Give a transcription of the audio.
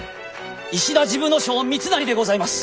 石田治部少輔三成でございます。